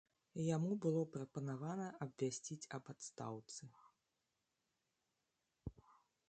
Яму было прапанавана абвясціць аб адстаўцы.